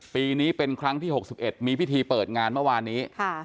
ปีนี้เป็นครั้งที่๖๑มีพิธีเปิดงานเมื่อวานนี้